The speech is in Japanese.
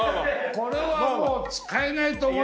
これは使えないと思いますけど。